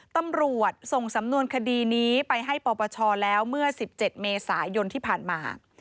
ตำรวจส่งสำนวนคดีนี้ไปให้ปปชแล้วเมื่อ๑๗เมษายนที่ผ่านมา